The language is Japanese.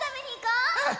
うん！